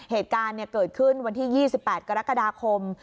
เหตุการณ์เกิดขึ้นวันที่๒๘กรกฎาคม